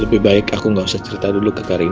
lebih baik aku gak usah ceritain dulu ke karina